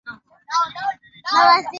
Kalamu zao zina wino mwingi